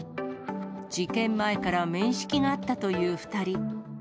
事件前から面識があったという２人。